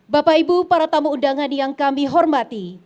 bapak ibu para tamu undangan yang kami hormati